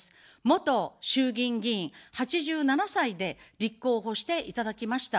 元衆議院議員、８７歳で立候補していただきました。